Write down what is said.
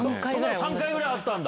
３回ぐらいあったんだ。